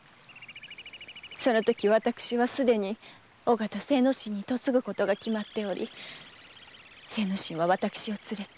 そのとき私は既に尾形精之進に嫁ぐことが決まっており精之進は私を連れて。